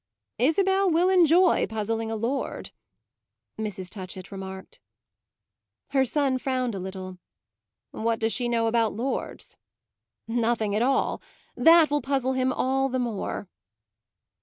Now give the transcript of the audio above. "Isabel will enjoy puzzling a lord," Mrs. Touchett remarked. Her son frowned a little. "What does she know about lords?" "Nothing at all: that will puzzle him all the more."